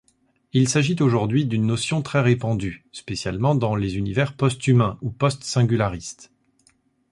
Il s'agit aujourd'hui d'une notion très répandue, spécialement dans les univers post-humains ou post-singularistes.